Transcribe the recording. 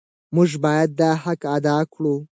موږ باید دا حق ادا کړو.